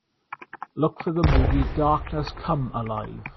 Look for the movie Darkness Come Alive